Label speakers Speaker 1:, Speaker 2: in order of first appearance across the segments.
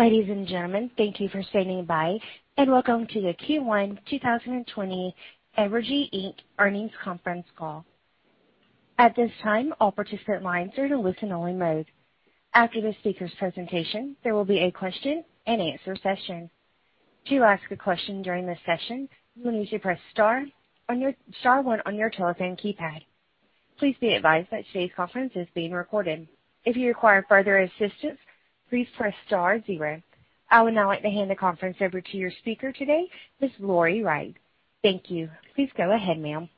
Speaker 1: Ladies and gentlemen, thank you for standing by, and welcome to the Q1 2020 Evergy, Inc. Earnings Conference Call. At this time, all participant lines are in listen-only mode. After the speakers' presentation, there will be a question and answer session. To ask a question during this session, you'll need to press star one on your telephone keypad. Please be advised that today's conference is being recorded. If you require further assistance, please press star zero. I would now like to hand the conference over to your speaker today, Ms. Lori Wright. Thank you. Please go ahead, ma'am.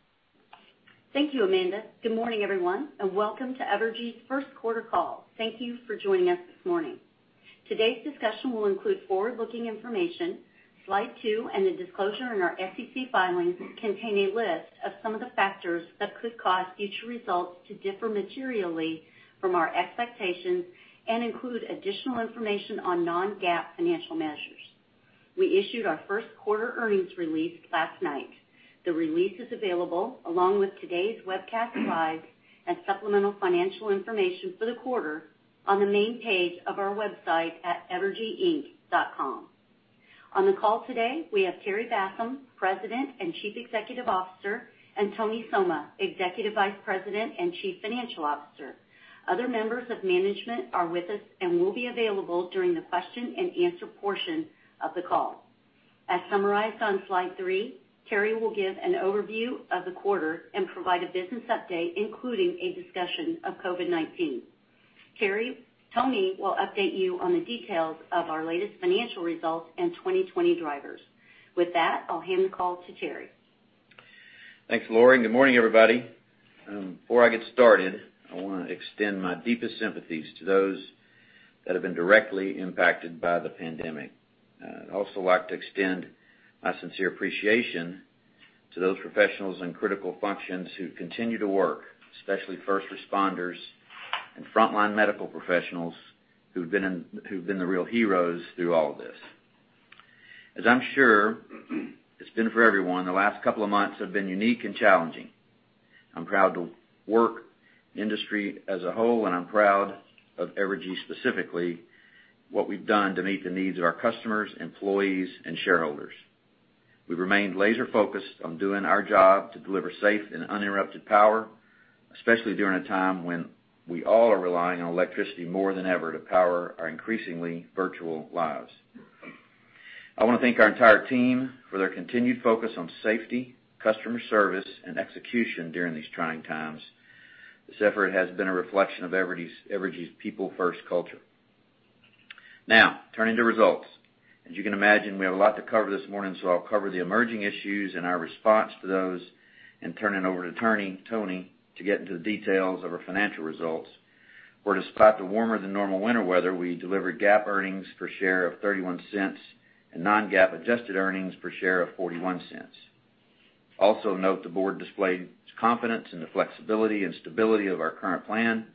Speaker 2: Thank you, Amanda. Good morning, everyone, welcome to Evergy's first quarter call. Thank you for joining us this morning. Today's discussion will include forward-looking information. Slide two and the disclosure in our SEC filings contain a list of some of the factors that could cause future results to differ materially from our expectations and include additional information on non-GAAP financial measures. We issued our first quarter earnings release last night. The release is available along with today's webcast slides and supplemental financial information for the quarter on the main page of our website at evergyinc.com. On the call today, we have Terry Bassham, President and Chief Executive Officer, and Tony Somma, Executive Vice President and Chief Financial Officer. Other members of management are with us and will be available during the question and answer portion of the call. As summarized on slide three, Terry will give an overview of the quarter and provide a business update, including a discussion of COVID-19. Tony will update you on the details of our latest financial results and 2020 drivers. With that, I'll hand the call to Terry.
Speaker 3: Thanks, Lori. Good morning, everybody. Before I get started, I want to extend my deepest sympathies to those that have been directly impacted by the pandemic. I'd also like to extend my sincere appreciation to those professionals in critical functions who continue to work, especially first responders and frontline medical professionals who've been the real heroes through all of this. As I'm sure it's been for everyone, the last couple of months have been unique and challenging. I'm proud to work in the industry as a whole, and I'm proud of Evergy specifically, what we've done to meet the needs of our customers, employees, and shareholders. We've remained laser-focused on doing our job to deliver safe and uninterrupted power, especially during a time when we all are relying on electricity more than ever to power our increasingly virtual lives. I want to thank our entire team for their continued focus on safety, customer service, and execution during these trying times. This effort has been a reflection of Evergy's people-first culture. Now, turning to results. As you can imagine, we have a lot to cover this morning, I'll cover the emerging issues and our response to those, and turn it over to Tony to get into the details of our financial results. We're to spot the warmer than normal winter weather, we delivered GAAP earnings per share of $0.31 and non-GAAP adjusted earnings per share of $0.41. Also note the board displayed its confidence in the flexibility and stability of our current plan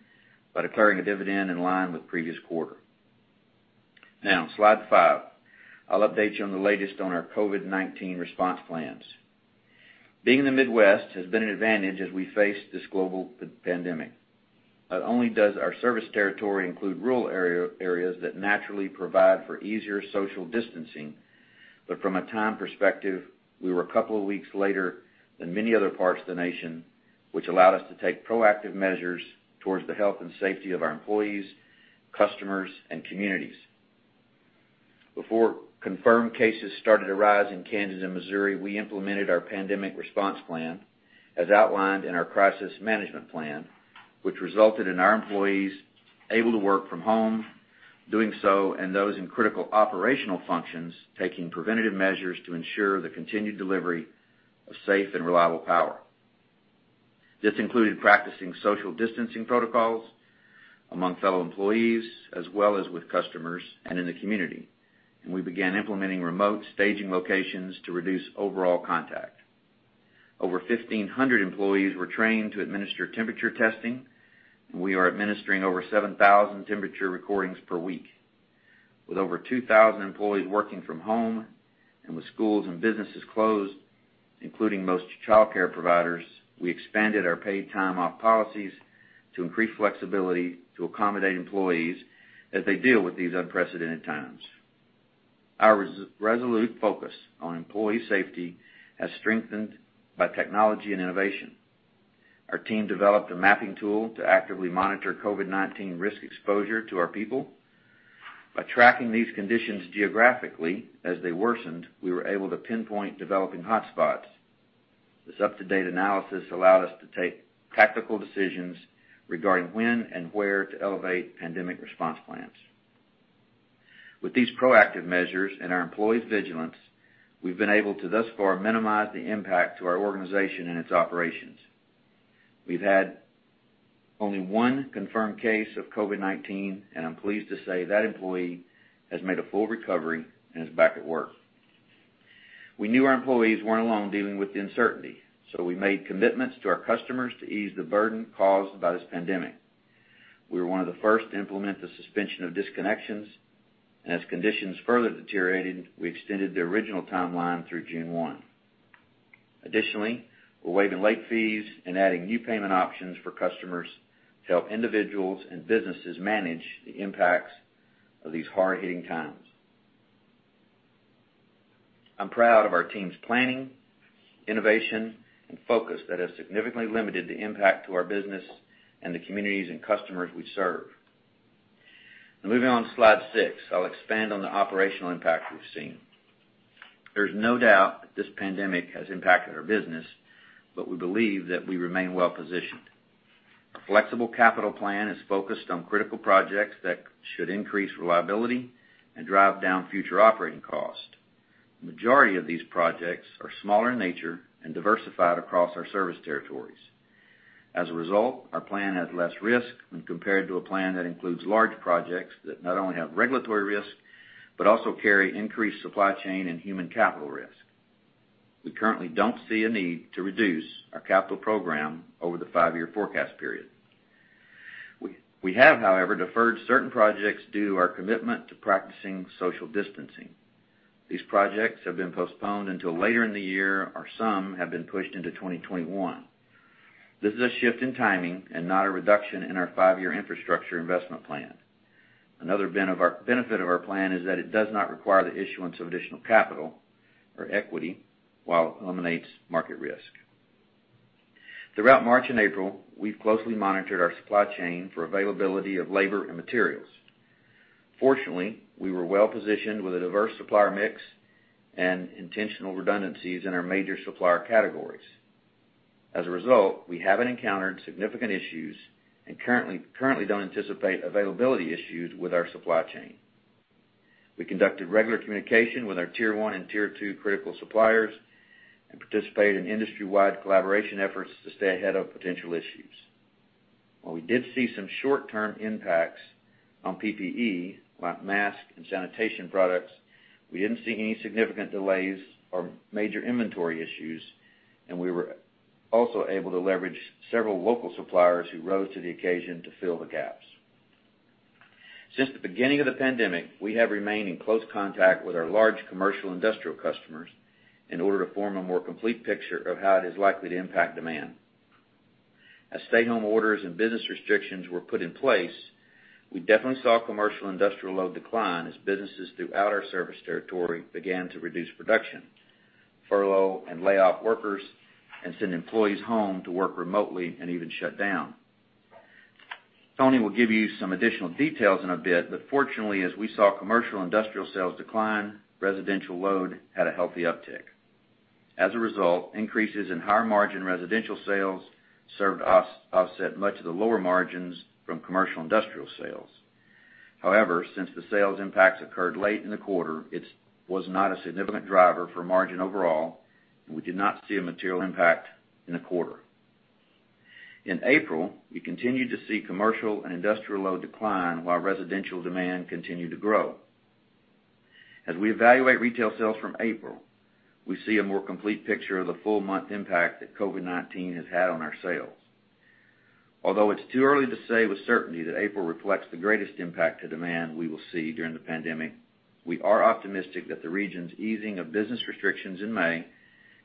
Speaker 3: by declaring a dividend in line with previous quarter. Now, slide five. I'll update you on the latest on our COVID-19 response plans. Being in the Midwest has been an advantage as we face this global pandemic. Not only does our service territory include rural areas that naturally provide for easier social distancing, but from a time perspective, we were a couple of weeks later than many other parts of the nation, which allowed us to take proactive measures towards the health and safety of our employees, customers, and communities. Before confirmed cases started to rise in Kansas and Missouri, we implemented our pandemic response plan as outlined in our crisis management plan, which resulted in our employees able to work from home, doing so, and those in critical operational functions taking preventative measures to ensure the continued delivery of safe and reliable power. This included practicing social distancing protocols among fellow employees, as well as with customers and in the community. We began implementing remote staging locations to reduce overall contact. Over 1,500 employees were trained to administer temperature testing, and we are administering over 7,000 temperature recordings per week. With over 2,000 employees working from home and with schools and businesses closed, including most childcare providers, we expanded our paid time off policies to increase flexibility to accommodate employees as they deal with these unprecedented times. Our resolute focus on employee safety is strengthened by technology and innovation. Our team developed a mapping tool to actively monitor COVID-19 risk exposure to our people. By tracking these conditions geographically as they worsened, we were able to pinpoint developing hotspots. This up-to-date analysis allowed us to take tactical decisions regarding when and where to elevate pandemic response plans. With these proactive measures and our employees' vigilance, we've been able to thus far minimize the impact to our organization and its operations. We've had only one confirmed case of COVID-19, and I'm pleased to say that employee has made a full recovery and is back at work. We knew our employees weren't alone dealing with the uncertainty, so we made commitments to our customers to ease the burden caused by this pandemic. We were one of the first to implement the suspension of disconnections, and as conditions further deteriorated, we extended the original timeline through June 1. Additionally, we're waiving late fees and adding new payment options for customers to help individuals and businesses manage the impacts of these hard-hitting times. I'm proud of our team's planning, innovation, and focus that has significantly limited the impact to our business and the communities and customers we serve. Now, moving on to slide six, I'll expand on the operational impact we've seen. There's no doubt that this pandemic has impacted our business, but we believe that we remain well-positioned. Our flexible capital plan is focused on critical projects that should increase reliability and drive down future operating costs. The majority of these projects are small in nature and diversified across our service territories. As a result, our plan has less risk when compared to a plan that includes large projects that not only have regulatory risk, but also carry increased supply chain and human capital risk. We currently don't see a need to reduce our capital program over the five-year forecast period. We have, however, deferred certain projects due to our commitment to practicing social distancing. These projects have been postponed until later in the year, or some have been pushed into 2021. This is a shift in timing and not a reduction in our five-year infrastructure investment plan. Another benefit of our plan is that it does not require the issuance of additional capital or equity while it eliminates market risk. Throughout March and April, we've closely monitored our supply chain for availability of labor and materials. Fortunately, we were well-positioned with a diverse supplier mix and intentional redundancies in our major supplier categories. As a result, we haven't encountered significant issues and currently don't anticipate availability issues with our supply chain. We conducted regular communication with our Tier 1 and Tier 2 critical suppliers and participated in industry-wide collaboration efforts to stay ahead of potential issues. While we did see some short-term impacts on PPE, like masks and sanitation products, we didn't see any significant delays or major inventory issues, and we were also able to leverage several local suppliers who rose to the occasion to fill the gaps. Since the beginning of the pandemic, we have remained in close contact with our large commercial industrial customers in order to form a more complete picture of how it is likely to impact demand. As stay-home orders and business restrictions were put in place, we definitely saw commercial industrial load decline as businesses throughout our service territory began to reduce production, furlough and lay off workers, and send employees home to work remotely and even shut down. Fortunately, as we saw commercial industrial sales decline, residential load had a healthy uptick. As a result, increases in higher margin residential sales served to offset much of the lower margins from commercial industrial sales. Since the sales impacts occurred late in the quarter, it was not a significant driver for margin overall, and we did not see a material impact in the quarter. In April, we continued to see commercial and industrial load decline while residential demand continued to grow. As we evaluate retail sales from April, we see a more complete picture of the full month impact that COVID-19 has had on our sales. It's too early to say with certainty that April reflects the greatest impact to demand we will see during the pandemic, we are optimistic that the region's easing of business restrictions in May,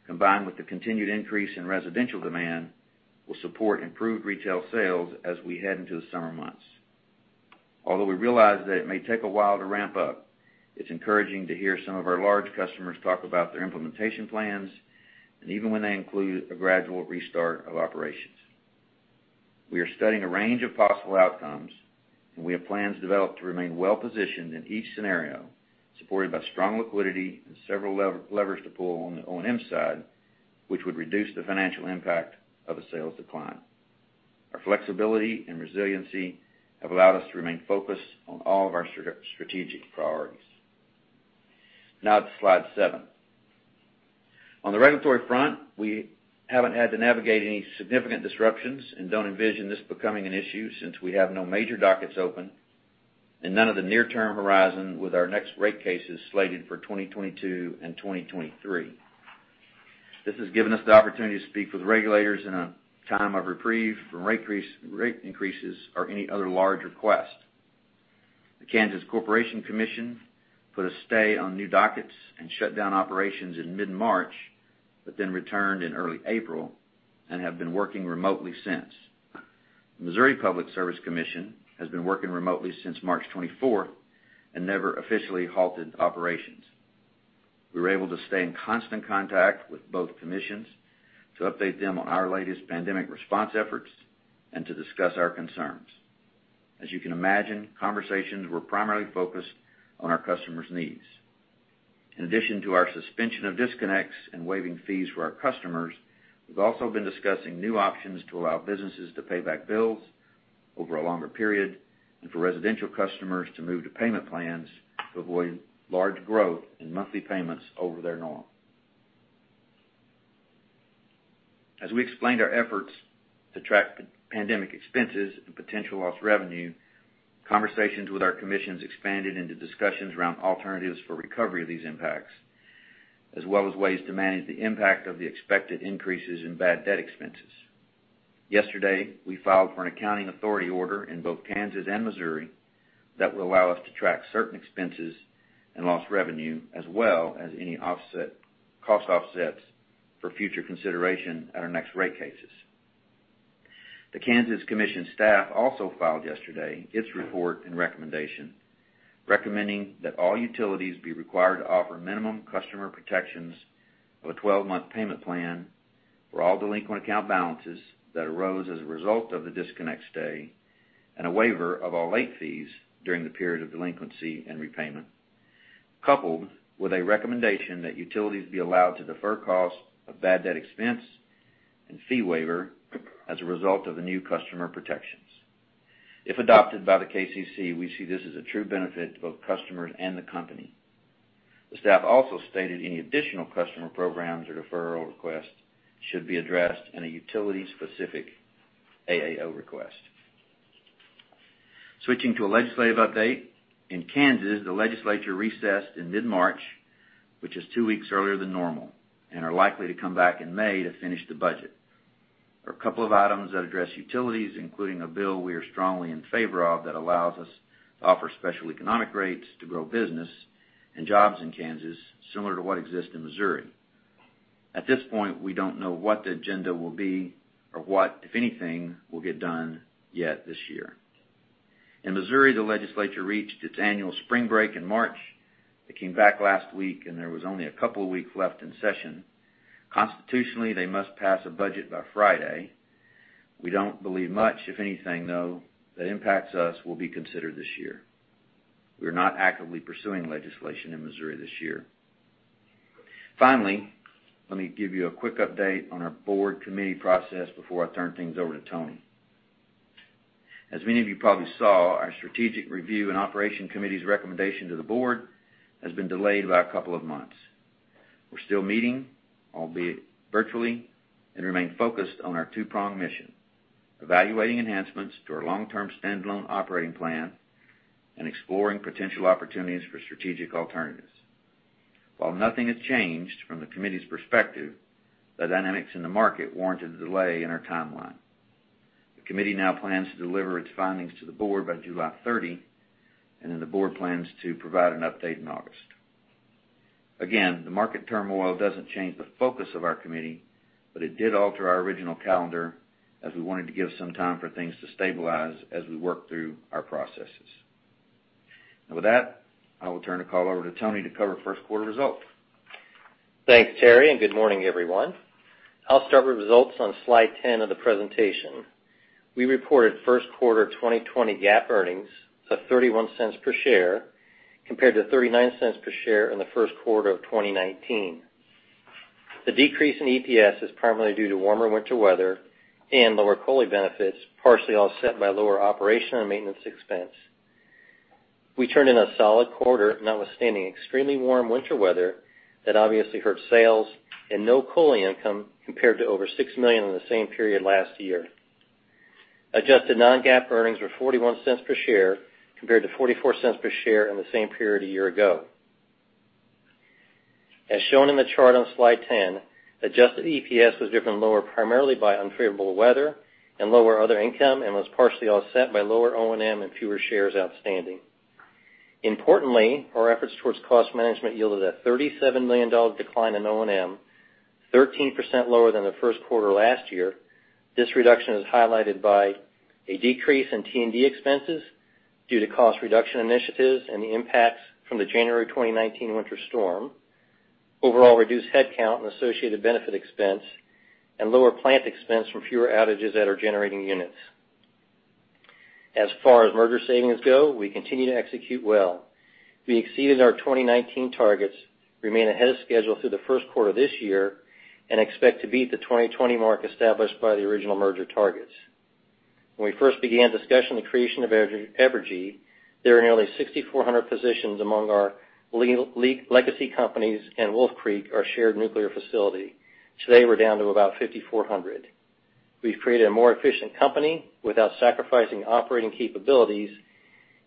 Speaker 3: combined with the continued increase in residential demand, will support improved retail sales as we head into the summer months. Although we realize that it may take a while to ramp up, it's encouraging to hear some of our large customers talk about their implementation plans, and even when they include a gradual restart of operations. We are studying a range of possible outcomes, and we have plans developed to remain well-positioned in each scenario, supported by strong liquidity and several levers to pull on the O&M side, which would reduce the financial impact of a sales decline. Our flexibility and resiliency have allowed us to remain focused on all of our strategic priorities. Now to slide seven. On the regulatory front, we haven't had to navigate any significant disruptions and don't envision this becoming an issue since we have no major dockets open and none of the near-term horizon with our next rate cases slated for 2022 and 2023. This has given us the opportunity to speak with regulators in a time of reprieve from rate increases or any other large request. The Kansas Corporation Commission put a stay on new dockets and shut down operations in mid-March, but then returned in early April and have been working remotely since. The Missouri Public Service Commission has been working remotely since March 24th and never officially halted operations. We were able to stay in constant contact with both commissions to update them on our latest pandemic response efforts and to discuss our concerns. As you can imagine, conversations were primarily focused on our customers' needs. In addition to our suspension of disconnects and waiving fees for our customers, we've also been discussing new options to allow businesses to pay back bills over a longer period and for residential customers to move to payment plans to avoid large growth in monthly payments over their norm. As we explained our efforts to track pandemic expenses and potential lost revenue, conversations with our commissions expanded into discussions around alternatives for recovery of these impacts, as well as ways to manage the impact of the expected increases in bad debt expenses. Yesterday, we filed for an Accounting Authority Order in both Kansas and Missouri that will allow us to track certain expenses and lost revenue, as well as any cost offsets for future consideration at our next rate cases. The Kansas Commission staff also filed yesterday its report and recommendation, recommending that all utilities be required to offer minimum customer protections of a 12-month payment plan for all delinquent account balances that arose as a result of the disconnect stay, and a waiver of all late fees during the period of delinquency and repayment, coupled with a recommendation that utilities be allowed to defer costs of bad debt expense and fee waiver as a result of the new customer protections. If adopted by the KCC, we see this as a true benefit to both customers and the company. The staff also stated any additional customer programs or deferral requests should be addressed in a utility-specific AAO request. Switching to a legislative update. In Kansas, the legislature recessed in mid-March, which is two weeks earlier than normal, and are likely to come back in May to finish the budget. There are a couple of items that address utilities, including a bill we are strongly in favor of that allows us to offer special economic rates to grow business and jobs in Kansas, similar to what exists in Missouri. At this point, we don't know what the agenda will be or what, if anything, will get done yet this year. In Missouri, the legislature reached its annual spring break in March. It came back last week, and there was only a couple of weeks left in session. Constitutionally, they must pass a budget by Friday. We don't believe much, if anything, though, that impacts us will be considered this year. We are not actively pursuing legislation in Missouri this year. Finally, let me give you a quick update on our board committee process before I turn things over to Tony. As many of you probably saw, our strategic review and operation committee's recommendation to the board has been delayed by a couple of months. We're still meeting, albeit virtually, and remain focused on our two-pronged mission: evaluating enhancements to our long-term standalone operating plan and exploring potential opportunities for strategic alternatives. While nothing has changed from the committee's perspective, the dynamics in the market warranted a delay in our timeline. The committee now plans to deliver its findings to the board by July 30, and then the board plans to provide an update in August. Again, the market turmoil doesn't change the focus of our committee, but it did alter our original calendar as we wanted to give some time for things to stabilize as we work through our processes. Now with that, I will turn the call over to Tony to cover first quarter results.
Speaker 4: Thanks, Terry. Good morning, everyone. I'll start with results on slide 10 of the presentation. We reported first quarter 2020 GAAP earnings of $0.31 per share, compared to $0.39 per share in the first quarter of 2019. The decrease in EPS is primarily due to warmer winter weather and lower cooling benefits, partially offset by lower operation and maintenance expense. We turned in a solid quarter, notwithstanding extremely warm winter weather that obviously hurt sales and no cooling income compared to over $6 million in the same period last year. Adjusted non-GAAP earnings were $0.41 per share, compared to $0.44 per share in the same period a year ago. As shown in the chart on slide 10, adjusted EPS was driven lower primarily by unfavorable weather and lower other income and was partially offset by lower O&M and fewer shares outstanding. Importantly, our efforts towards cost management yielded a $37 million decline in O&M, 13% lower than the first quarter last year. This reduction is highlighted by a decrease in T&D expenses due to cost reduction initiatives and the impacts from the January 2019 winter storm, overall reduced headcount and associated benefit expense and lower plant expense from fewer outages at our generating units. As far as merger savings go, we continue to execute well. We exceeded our 2019 targets, remain ahead of schedule through the first quarter of this year, and expect to beat the 2020 mark established by the original merger targets. When we first began discussing the creation of Evergy, there were nearly 6,400 positions among our legacy companies and Wolf Creek, our shared nuclear facility. Today, we're down to about 5,400. We've created a more efficient company without sacrificing operating capabilities,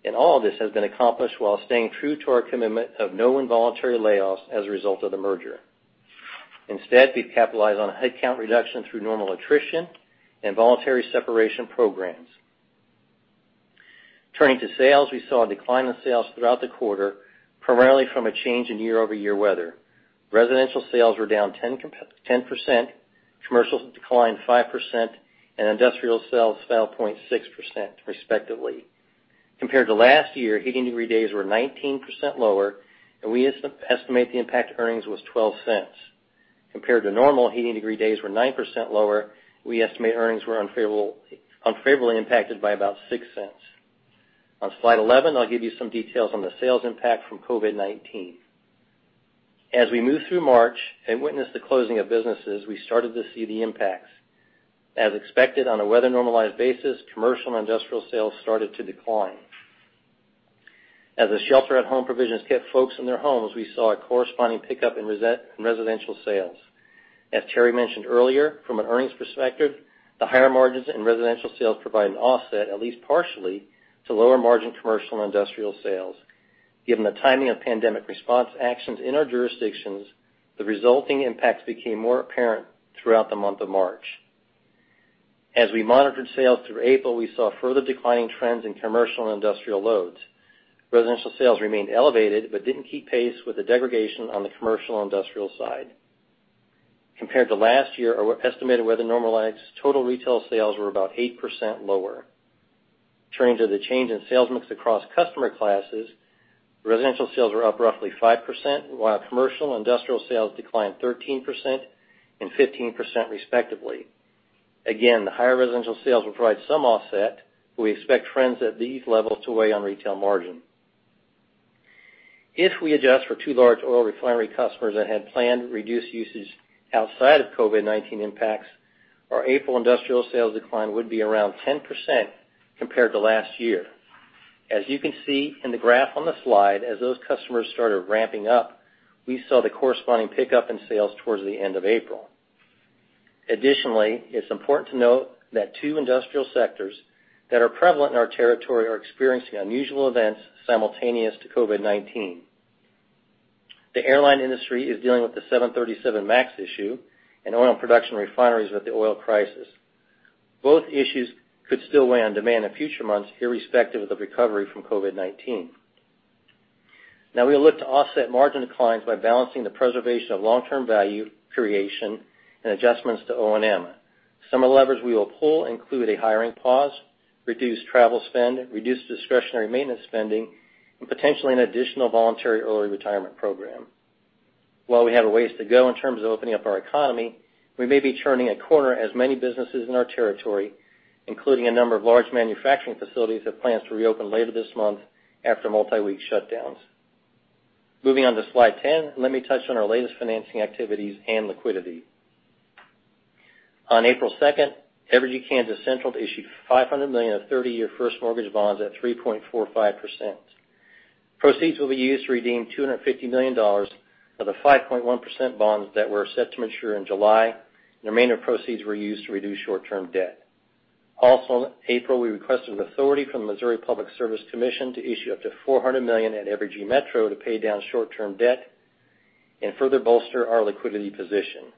Speaker 4: and all of this has been accomplished while staying true to our commitment of no involuntary layoffs as a result of the merger. We've capitalized on a headcount reduction through normal attrition and voluntary separation programs. Turning to sales, we saw a decline in sales throughout the quarter, primarily from a change in year-over-year weather. Residential sales were down 10%, commercial declined 5%, and industrial sales fell 0.6%, respectively. Compared to last year, heating degree days were 19% lower, and we estimate the impact to earnings was $0.12. Compared to normal, heating degree days were 9% lower. We estimate earnings were unfavorably impacted by about $0.06. On slide 11, I'll give you some details on the sales impact from COVID-19. We moved through March and witnessed the closing of businesses, we started to see the impacts. As expected, on a weather-normalized basis, commercial and industrial sales started to decline. As the shelter at home provisions kept folks in their homes, we saw a corresponding pickup in residential sales. As Terry mentioned earlier, from an earnings perspective, the higher margins in residential sales provide an offset, at least partially, to lower-margin commercial and industrial sales. Given the timing of pandemic response actions in our jurisdictions, the resulting impacts became more apparent throughout the month of March. As we monitored sales through April, we saw further declining trends in commercial and industrial loads. Residential sales remained elevated but didn't keep pace with the degradation on the commercial and industrial side. Compared to last year, our estimated weather-normalized total retail sales were about 8% lower. Turning to the change in sales mix across customer classes, residential sales were up roughly 5%, while commercial and industrial sales declined 13% and 15% respectively. Again, the higher residential sales will provide some offset, but we expect trends at these levels to weigh on retail margin. If we adjust for two large oil refinery customers that had planned reduced usage outside of COVID-19 impacts, our April industrial sales decline would be around 10% compared to last year. As you can see in the graph on the slide, as those customers started ramping up, we saw the corresponding pickup in sales towards the end of April. Additionally, it's important to note that two industrial sectors that are prevalent in our territory are experiencing unusual events simultaneous to COVID-19. The airline industry is dealing with the 737 Max issue and oil production refineries with the oil crisis. Both issues could still weigh on demand in future months, irrespective of the recovery from COVID-19. We'll look to offset margin declines by balancing the preservation of long-term value creation and adjustments to O&M. Some of the levers we will pull include a hiring pause, reduced travel spend, reduced discretionary maintenance spending, and potentially an additional voluntary early retirement program. While we have a ways to go in terms of opening up our economy, we may be turning a corner as many businesses in our territory, including a number of large manufacturing facilities, have plans to reopen later this month after multi-week shutdowns. Moving on to slide 10, let me touch on our latest financing activities and liquidity. On April 2nd, Evergy Kansas Central issued $500 million of 30-year first mortgage bonds at 3.45%. Proceeds will be used to redeem $250 million of the 5.1% bonds that were set to mature in July, and the remainder proceeds were used to reduce short-term debt. Also in April, we requested authority from the Missouri Public Service Commission to issue up to $400 million at Evergy Metro to pay down short-term debt and further bolster our liquidity position.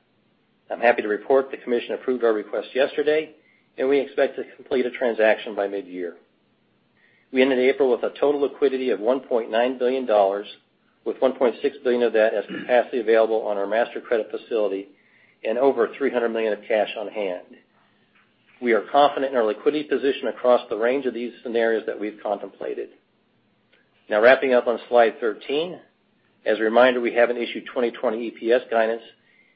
Speaker 4: I'm happy to report the commission approved our request yesterday, and we expect to complete a transaction by mid-year. We ended April with a total liquidity of $1.9 billion, with $1.6 billion of that as capacity available on our master credit facility and over $300 million of cash on-hand. We are confident in our liquidity position across the range of these scenarios that we've contemplated. Wrapping up on slide 13, as a reminder, we haven't issued 2020 EPS guidance,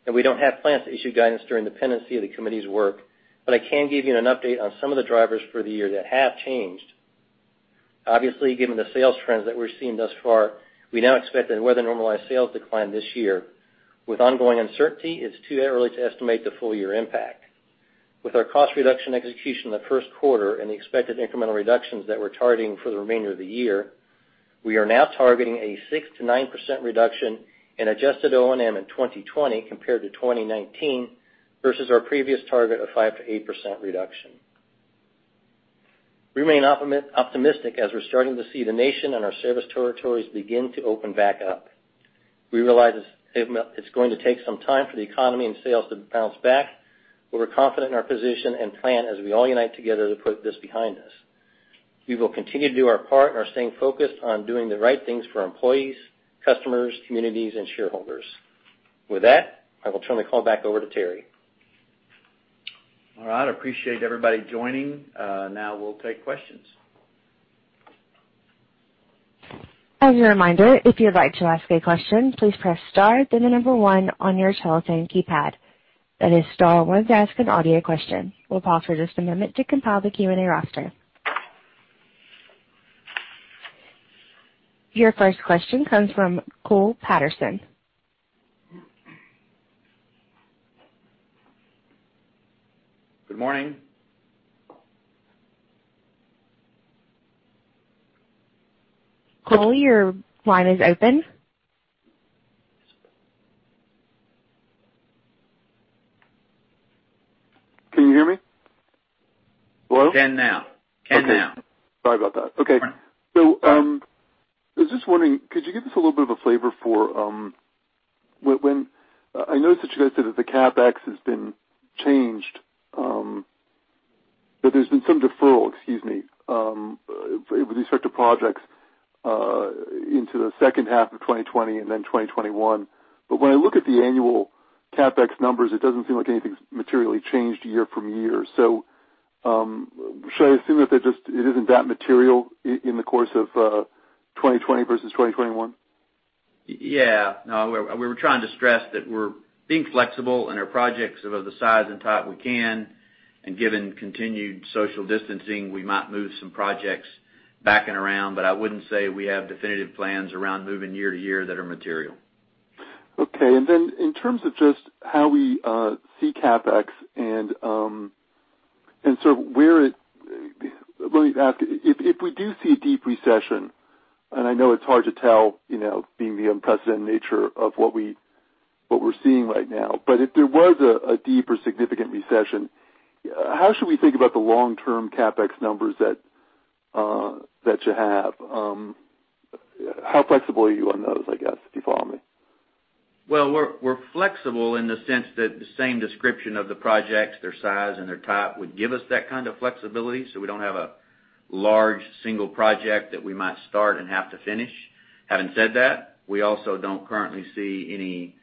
Speaker 4: and we don't have plans to issue guidance during the pendency of the committee's work, but I can give you an update on some of the drivers for the year that have changed. Obviously, given the sales trends that we're seeing thus far, we now expect a weather-normalized sales decline this year. With ongoing uncertainty, it's too early to estimate the full-year impact. With our cost reduction execution in the first quarter and the expected incremental reductions that we're targeting for the remainder of the year, we are now targeting a 6%-9% reduction in adjusted O&M in 2020 compared to 2019 versus our previous target of 5%-8% reduction. We remain optimistic as we're starting to see the nation and our service territories begin to open back up. We realize it's going to take some time for the economy and sales to bounce back, but we're confident in our position and plan as we all unite together to put this behind us. We will continue to do our part and are staying focused on doing the right things for our employees, customers, communities, and shareholders. With that, I will turn the call back over to Terry.
Speaker 3: All right. Appreciate everybody joining. Now we'll take questions.
Speaker 1: As a reminder, if you'd like to ask a question, please press star, then the number one on your telephone keypad. That is star one to ask an audio question. We'll pause for just a moment to compile the Q&A roster. Your first question comes from Paul Patterson.
Speaker 3: Good morning.
Speaker 1: Paul, your line is open.
Speaker 5: Can you hear me? Hello?
Speaker 3: Can now.
Speaker 5: Okay.
Speaker 3: Can now.
Speaker 5: Sorry about that. Okay.
Speaker 3: Right.
Speaker 5: I was just wondering, could you give us a little bit of a flavor for I noticed that you guys said that the CapEx has been changed, that there's been some deferral, excuse me, with respect to projects into the second half of 2020 and then 2021. When I look at the annual CapEx numbers, it doesn't seem like anything's materially changed year from year. Should I assume that it isn't that material in the course of 2020 versus 2021?
Speaker 3: No, we were trying to stress that we're being flexible in our projects of the size and type we can. Given continued social distancing, we might move some projects back and around. I wouldn't say we have definitive plans around moving year to year that are material.
Speaker 5: Okay. In terms of just how we see CapEx, let me ask, if we do see a deep recession, and I know it's hard to tell, being the unprecedented nature of what we're seeing right now. If there was a deep or significant recession, how should we think about the long-term CapEx numbers that you have? How flexible are you on those, I guess? If you follow me.
Speaker 3: Well, we're flexible in the sense that the same description of the projects, their size, and their type would give us that kind of flexibility. We don't have a large single project that we might start and have to finish. Having said that, we also don't currently see any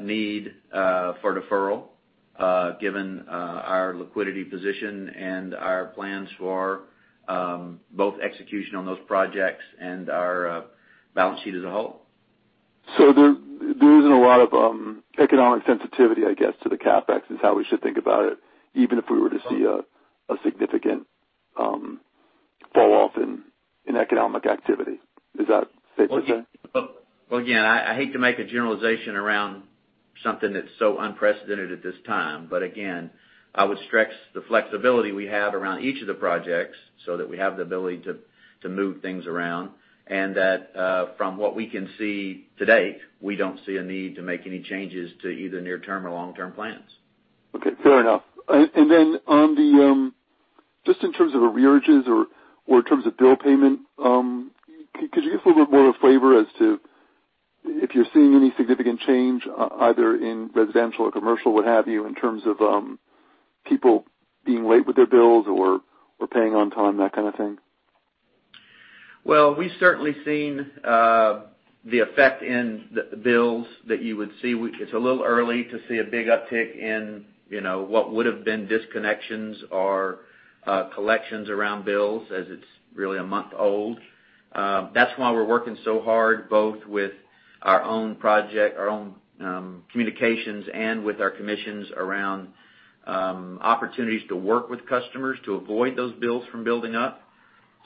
Speaker 3: need for deferral, given our liquidity position and our plans for both execution on those projects and our balance sheet as a whole.
Speaker 5: There isn't a lot of economic sensitivity, I guess, to the CapEx, is how we should think about it, even if we were to see a significant fall off in economic activity. Is that safe to say?
Speaker 3: Well, again, I hate to make a generalization around something that's so unprecedented at this time. Again, I would stress the flexibility we have around each of the projects so that we have the ability to move things around, and that from what we can see to date, we don't see a need to make any changes to either near-term or long-term plans.
Speaker 5: Okay, fair enough. Just in terms of arrearages or in terms of bill payment, could you give us a little bit more of a flavor as to if you're seeing any significant change either in residential or commercial, what have you, in terms of people being late with their bills or paying on time, that kind of thing?
Speaker 3: Well, we've certainly seen the effect in the bills that you would see. It's a little early to see a big uptick in what would've been disconnections or collections around bills, as it's really a month old. That's why we're working so hard, both with our own communications and with our commissions around opportunities to work with customers to avoid those bills from building up.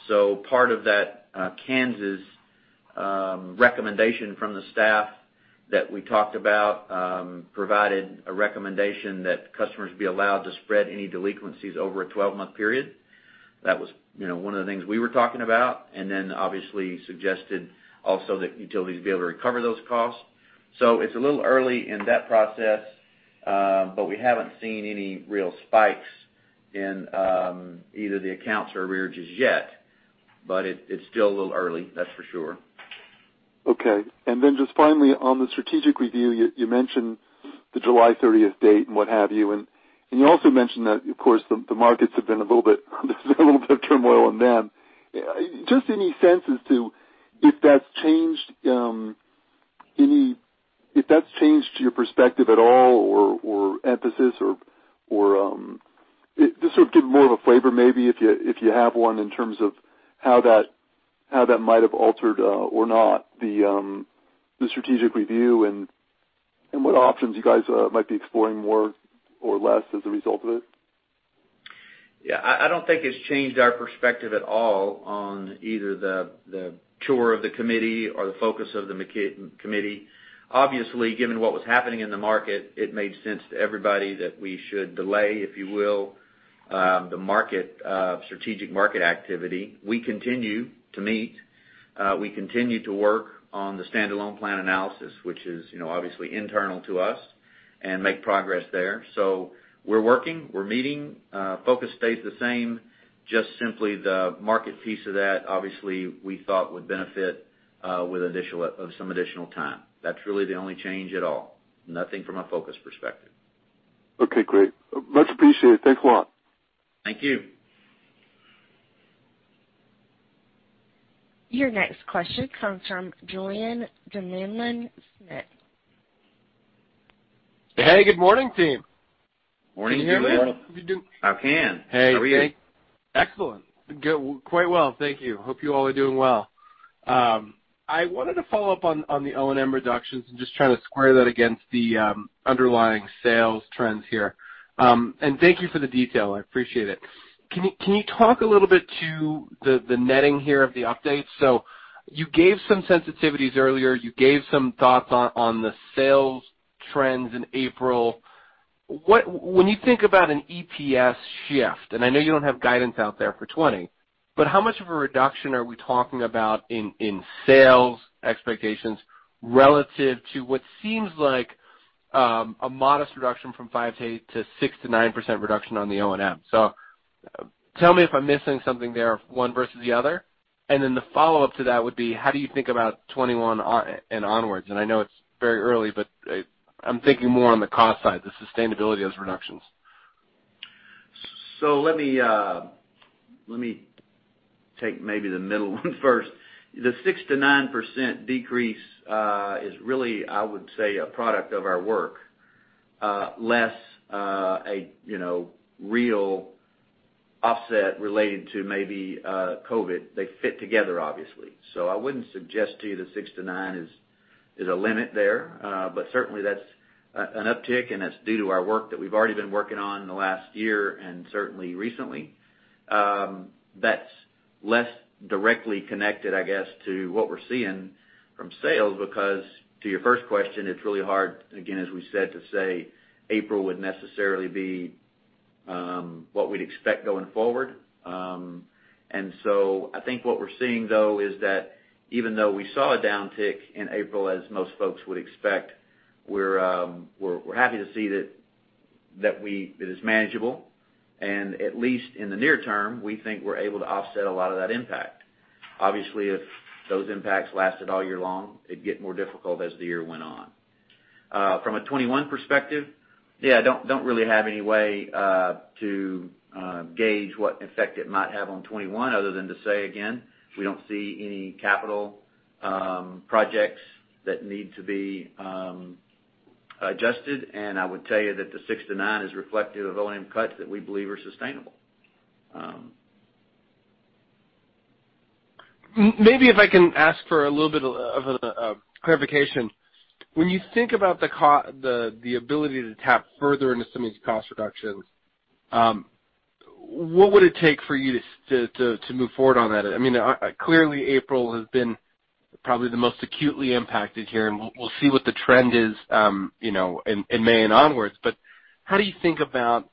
Speaker 3: Part of that Kansas recommendation from the staff that we talked about, provided a recommendation that customers be allowed to spread any delinquencies over a 12-month period. That was one of the things we were talking about. Obviously suggested also that utilities be able to recover those costs. It's a little early in that process. We haven't seen any real spikes in either the accounts or arrearages yet, but it's still a little early, that's for sure.
Speaker 5: Okay. Just finally, on the strategic review, you mentioned the July 30th date and what have you, and you also mentioned that, of course, there's a little bit of turmoil in them. Just any sense as to if that's changed your perspective at all, or emphasis, or just sort of give more of a flavor maybe if you have one in terms of how that might have altered or not the strategic review and what options you guys might be exploring more or less as a result of it.
Speaker 3: Yeah. I don't think it's changed our perspective at all on either the tour of the committee or the focus of the committee. Given what was happening in the market, it made sense to everybody that we should delay, if you will, the strategic market activity. We continue to meet. We continue to work on the standalone plan analysis, which is obviously internal to us, and make progress there. We're working, we're meeting. Focus stays the same, just simply the market piece of that, obviously, we thought would benefit with some additional time. That's really the only change at all. Nothing from a focus perspective.
Speaker 5: Okay, great. Much appreciated. Thanks a lot.
Speaker 3: Thank you.
Speaker 1: Your next question comes from Julien Dumoulin-Smith.
Speaker 6: Hey, good morning, team.
Speaker 3: Morning.
Speaker 6: Can you hear me?
Speaker 3: I can.
Speaker 6: Hey.
Speaker 3: How are you?
Speaker 6: Excellent. Quite well, thank you. Hope you all are doing well. I wanted to follow up on the O&M reductions and just try to square that against the underlying sales trends here. Thank you for the detail, I appreciate it. Can you talk a little bit to the netting here of the updates? You gave some sensitivities earlier. You gave some thoughts on the sales trends in April. When you think about an EPS shift, I know you don't have guidance out there for 2020, but how much of a reduction are we talking about in sales expectations relative to what seems like a modest reduction from 5%-8% to 6%-9% reduction on the O&M? Tell me if I'm missing something there, one versus the other. Then the follow-up to that would be how do you think about 2021 on and onwards? I know it's very early, but I'm thinking more on the cost side, the sustainability of those reductions.
Speaker 3: Let me take maybe the middle one first. The 6%-9% decrease is really, I would say, a product of our work, less a real offset related to maybe COVID. They fit together, obviously. I wouldn't suggest to you that six to nine is a limit there. Certainly that's an uptick and that's due to our work that we've already been working on in the last year and certainly recently. That's less directly connected, I guess, to what we're seeing from sales because to your first question, it's really hard, again, as we said to say April would necessarily be what we'd expect going forward. I think what we're seeing, though, is that even though we saw a downtick in April, as most folks would expect, we're happy to see that it is manageable. At least in the near term, we think we're able to offset a lot of that impact. Obviously, if those impacts lasted all year long, it'd get more difficult as the year went on. From a 2021 perspective, yeah, don't really have any way to gauge what effect it might have on 2021 other than to say, again, we don't see any capital projects that need to be adjusted. I would tell you that the six to nine is reflective of O&M cuts that we believe are sustainable.
Speaker 6: Maybe if I can ask for a little bit of clarification. When you think about the ability to tap further into some of these cost reductions, what would it take for you to move forward on that? Clearly, April has been probably the most acutely impacted here, and we'll see what the trend is in May and onwards. How do you think about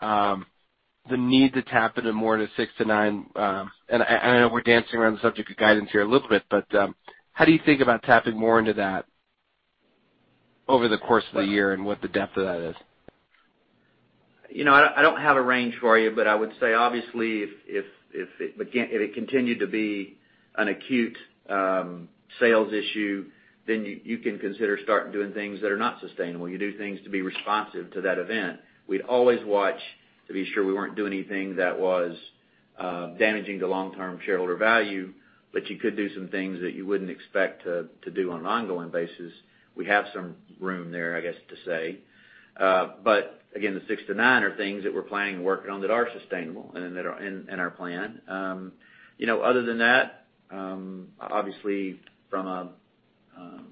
Speaker 6: the need to tap into more of the six to nine? I know we're dancing around the subject of guidance here a little bit, but how do you think about tapping more into that over the course of the year and what the depth of that is?
Speaker 3: I don't have a range for you, but I would say obviously if it continued to be an acute sales issue, then you can consider starting doing things that are not sustainable. You do things to be responsive to that event. We'd always watch to be sure we weren't doing anything that was damaging to long-term shareholder value, but you could do some things that you wouldn't expect to do on an ongoing basis. We have some room there, I guess, to say. Again, the six to nine are things that we're planning to work on that are sustainable and that are in our plan. Other than that, obviously from an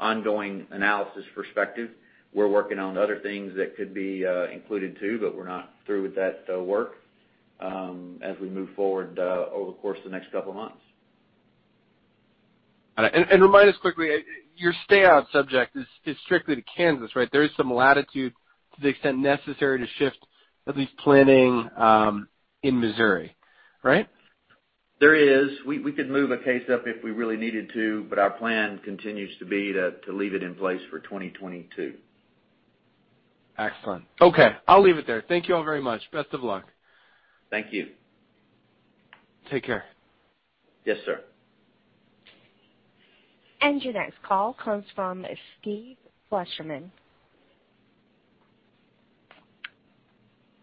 Speaker 3: ongoing analysis perspective, we're working on other things that could be included too, but we're not through with that work as we move forward over the course of the next couple of months.
Speaker 6: Remind us quickly, your stay-out subject is strictly to Kansas, right? There is some latitude to the extent necessary to shift at least planning in Missouri, right?
Speaker 3: There is. We could move a case up if we really needed to, but our plan continues to be to leave it in place for 2022.
Speaker 6: Excellent. Okay, I'll leave it there. Thank you all very much. Best of luck.
Speaker 3: Thank you.
Speaker 6: Take care.
Speaker 3: Yes, sir.
Speaker 1: Your next call comes from Steve Fleishman.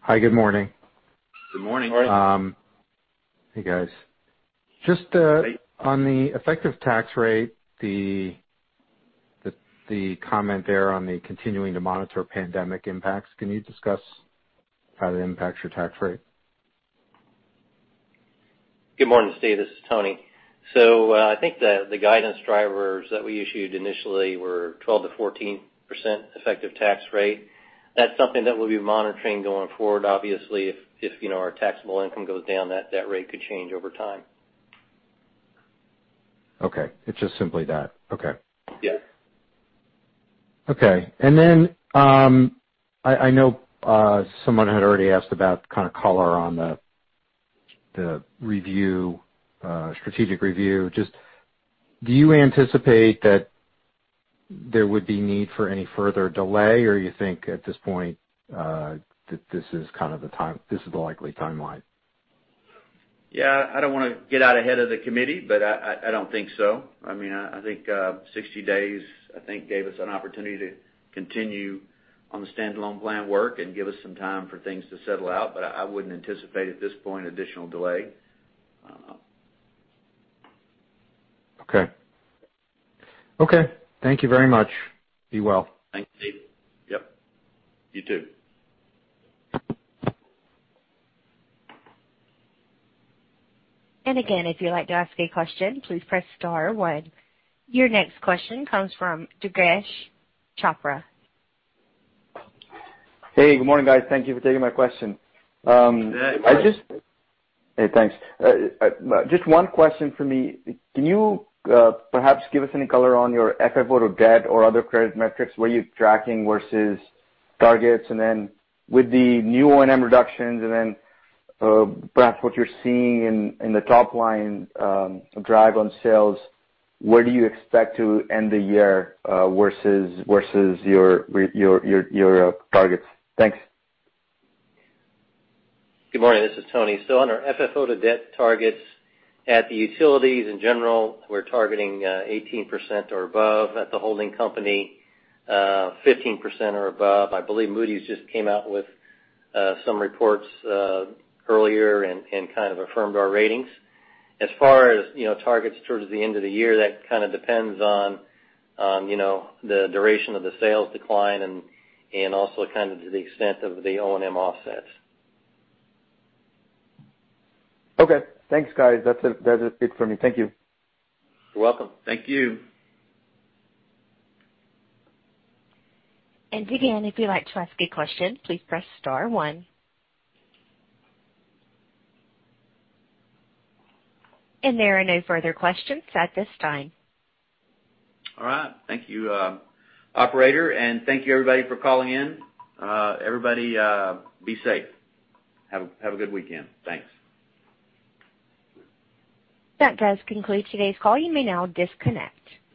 Speaker 7: Hi, good morning.
Speaker 3: Good morning.
Speaker 7: Hey, guys. Just on the effective tax rate, the comment there on the continuing to monitor pandemic impacts, can you discuss how that impacts your tax rate?
Speaker 4: Good morning, Steve. This is Tony. I think the guidance drivers that we issued initially were 12%-14% effective tax rate. That's something that we'll be monitoring going forward. Obviously, if our taxable income goes down, that rate could change over time.
Speaker 7: Okay. It's just simply that. Okay.
Speaker 4: Yeah.
Speaker 7: Okay. I know someone had already asked about kind of color on the strategic review. Just do you anticipate that there would be need for any further delay, or you think at this point that this is the likely timeline?
Speaker 3: Yeah. I don't want to get out ahead of the committee, but I don't think so. I think 60 days gave us an opportunity to continue on the standalone plan work and give us some time for things to settle out. I wouldn't anticipate at this point additional delay. I don't know.
Speaker 7: Okay. Thank you very much. Be well.
Speaker 3: Thanks, Steve. Yep. You too.
Speaker 1: Again, if you'd like to ask a question, please press star one. Your next question comes from Durgesh Chopra.
Speaker 8: Hey. Good morning, guys. Thank you for taking my question.
Speaker 3: Yeah.
Speaker 8: Hey, thanks. Just one question from me. Can you perhaps give us any color on your FFO to debt or other credit metrics, where you're tracking versus targets? With the new O&M reductions and then perhaps what you're seeing in the top line drive on sales, where do you expect to end the year versus your targets? Thanks.
Speaker 4: Good morning. This is Tony. On our FFO to debt targets at the utilities in general, we're targeting 18% or above. At the holding company, 15% or above. I believe Moody's just came out with some reports earlier and kind of affirmed our ratings. As far as targets towards the end of the year, that kind of depends on the duration of the sales decline and also kind of to the extent of the O&M offsets.
Speaker 8: Okay. Thanks, guys. That's it for me. Thank you.
Speaker 4: You're welcome.
Speaker 3: Thank you.
Speaker 1: Again, if you'd like to ask a question, please press star one. There are no further questions at this time.
Speaker 3: All right. Thank you, operator, and thank you everybody for calling in. Everybody be safe. Have a good weekend. Thanks.
Speaker 1: That does conclude today's call. You may now disconnect.